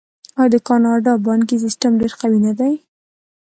آیا د کاناډا بانکي سیستم ډیر قوي نه دی؟